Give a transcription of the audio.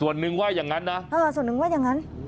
ส่วนนึงว่ายังงั้นนะเออส่วนหนึ่งว่ายังงั้น